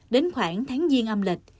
đến khoảng tháng giêng âm lịch